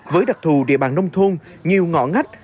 với đặc thù địa bàn nông thôn nhiều ngõ ngách